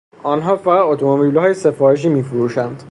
آنها فقط اتومبیلهای سفارشی میفروشند.